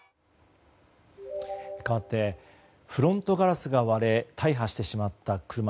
かわってフロントガラスが割れ大破してしまった車。